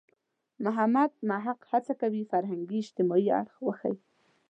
محمد محق هڅه کوي فرهنګي – اجتماعي اړخ وښيي.